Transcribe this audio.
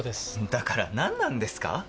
だから何なんですか